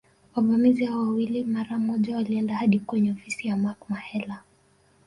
Wavamizi hao wawili mara moja walienda hadi kwenye ofisi ya Mark Mahela